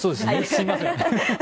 すいません。